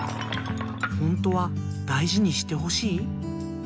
ほんとはだいじにしてほしい？